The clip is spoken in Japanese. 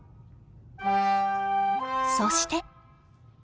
そして。